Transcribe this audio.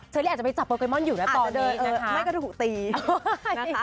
เชอรี่อาจจะไปจับโปรเคมอนอยู่นะตอนนี้อาจจะเดินเออไม่ก็ถูกตีนะคะ